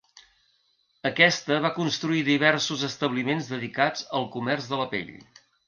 Aquesta va construir diversos establiments dedicats al comerç de la pell.